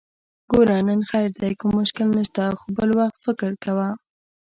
ګوره! نن خير دی، کوم مشکل نشته، خو بل وخت فکر کوه!